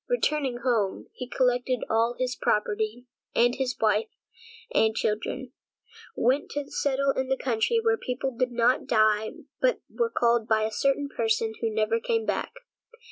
Returning home, he collected all his property, and with his wife and children, went to settle in the country where people did not die but were called by a certain person and never came back.